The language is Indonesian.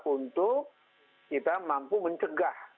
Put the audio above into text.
untuk kita mampu mencegah